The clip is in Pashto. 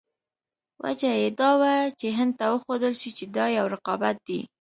وجه یې دا وه چې هند ته وښودل شي چې دا یو رقابت دی.